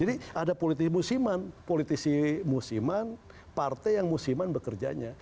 jadi ada politisi musiman politisi musiman partai yang musiman bekerjanya